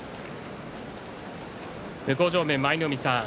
向正面の舞の海さん